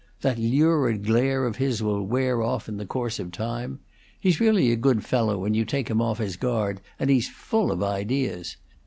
That lurid glare of his will wear off in the course of time. He's really a good fellow when you take him off his guard; and he's full of ideas.